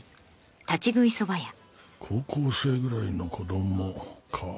高校生ぐらいの子供か。